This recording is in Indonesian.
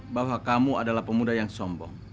bahwa kamu adalah pemuda yang sombong